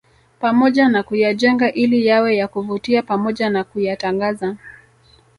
Pamoja na kuyajenga ili yawe ya kuvutia pamoja na kuyatangaza